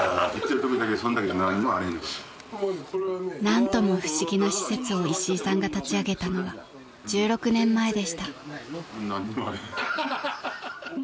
［何とも不思議な施設を石井さんが立ち上げたのは１６年前でした］